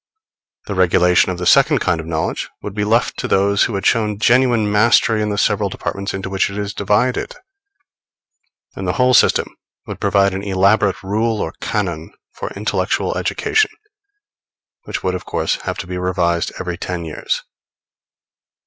The regulation of the second kind of knowledge would be left to those who had shown genuine mastery in the several departments into which it is divided; and the whole system would provide an elaborate rule or canon for intellectual education, which would, of course, have to be revised every ten years.